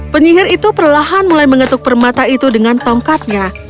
penyihir itu perlahan mulai mengetuk permata itu dengan tongkatnya